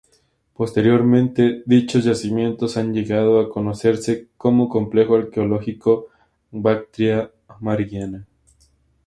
Posteriormente, dichos yacimientos han llegado a conocerse como Complejo arqueológico Bactria-Margiana.